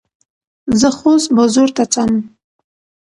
زه خوست بازور ته څم.